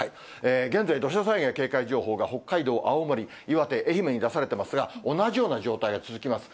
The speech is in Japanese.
現在、土砂災害警戒情報が、北海道、青森、岩手、愛媛に出されていますが、同じような状態が続きます。